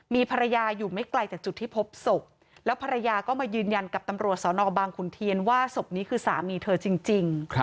มีภรรยาอยู่ไม่ไกลจากจุดที่พบศพแล้วภรรยาก็มายืนยันกับตำรวจสอนอบางขุนเทียนว่าศพนี้คือสามีเธอจริง